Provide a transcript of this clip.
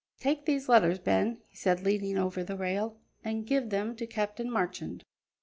"Take these letters, Ben," he said, leaning over the rail, "and give them to Captain Marchand."